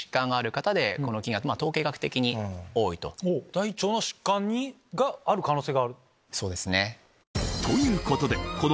大腸の疾患がある可能性がある。